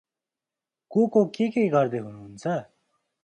को को के के गर्दै हनुहुन्छ?